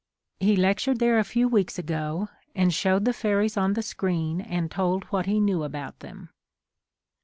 He lectured there a few weeks ago, and showed the fairies on the screen and told what he knew about them.